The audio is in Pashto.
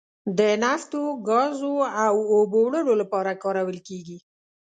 د نفتو، ګازو او اوبو وړلو لپاره کارول کیږي.